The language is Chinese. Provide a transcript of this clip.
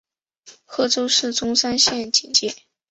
贺州市钟山县简介